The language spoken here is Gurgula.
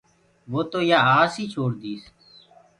وو تو يآ آس ئي ڇوڙ ديس۔